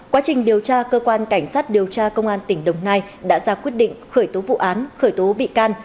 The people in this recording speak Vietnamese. quá trình điều tra cơ quan cảnh sát điều tra công an tỉnh đồng nai đã ra quyết định khởi tố vụ án khởi tố bị can